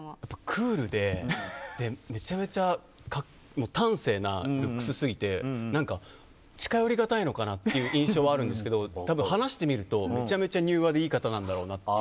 クールで、めちゃめちゃ端正なルックスすぎて近寄りがたいのかなっていう印象はあるんですけど話してみるとめちゃめちゃ柔和でいい方なんだろうなって。